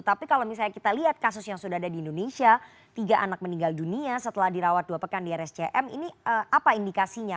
tapi kalau misalnya kita lihat kasus yang sudah ada di indonesia tiga anak meninggal dunia setelah dirawat dua pekan di rscm ini apa indikasinya